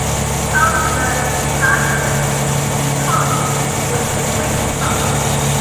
当时的伊拉克童军倡议委员会领导。